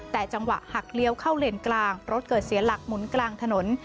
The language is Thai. แต่จังหวะหักเลี้ยวเข้าเลนกลางรถเกิดเสียหลักหมุนกลางถนน